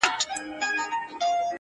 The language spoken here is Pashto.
هم یې پښې هم یې لاسونه رېږېدله؛